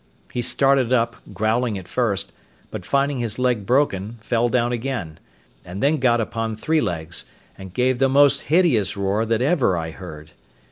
He started up, growling at first, but finding his leg broken, fell down again; and then got upon three legs, and gave the most hideous roar that ever I heard.